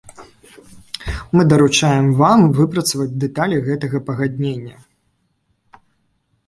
Мы даручаем вам выпрацаваць дэталі гэтага пагаднення.